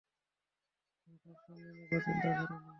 আমি সব সামলে নেব, চিন্তা করো না।